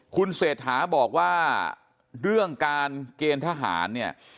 คุณเศรษฐาบอกว่าเรื่องการเกณฑ์ทหารเนี่ย